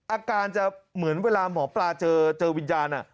อาการจะเหมือนเวลาหมอปลาเจอวิญญาณ